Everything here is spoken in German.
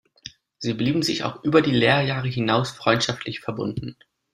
Sie blieben sich auch über die Lehrjahre hinaus freundschaftlich verbunden.